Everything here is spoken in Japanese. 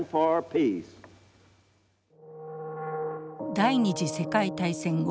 第二次世界大戦後